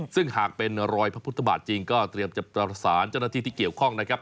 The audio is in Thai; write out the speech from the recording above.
ซึ่งหากเป็นรอยพระพุทธบาทจริงก็เตรียมจะประสานเจ้าหน้าที่ที่เกี่ยวข้องนะครับ